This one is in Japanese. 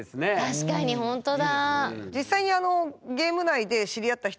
確かにほんとだ！